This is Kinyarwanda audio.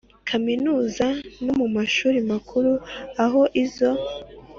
Kaminuza no mu mashuri makuru aho izo